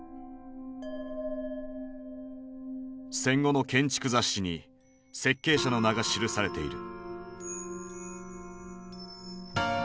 戦後の建築雑誌に設計者の名が記されている。